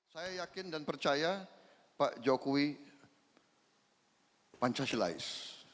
saya yakin dan percaya pak jokowi pancasilaes